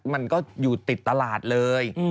มันก็อยู่ติดตลาดเลย